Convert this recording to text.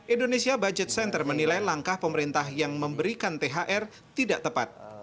indonesia budget center menilai langkah pemerintah yang memberikan thr tidak tepat